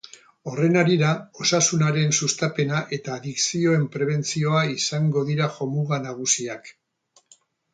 Horren harira, osasunaren sustapena eta adikzioen prebentzioa izango dira jomuga nagusiak.